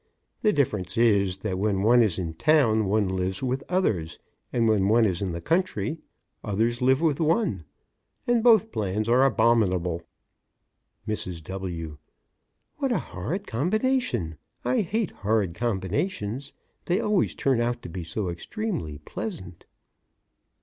The difference is, that when one is in town, one lives with others, and when one is in the country, others live with one. And both plans are abominable. MRS. W.: What a horrid combination! I hate horrid combinations; they always turn out to be so extremely pleasant.